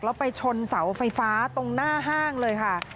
แล้วไปชนเสาไฟฟ้าตรงหน้าห้างเลยค่ะ